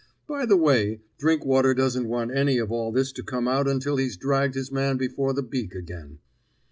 "By the way, Drinkwater doesn't want any of all this to come out until he's dragged his man before the beak again."